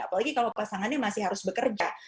apalagi kalau pasangannya masih harus bekerja